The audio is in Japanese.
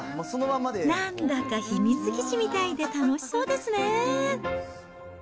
なんだか秘密基地みたいで、楽しそうですね。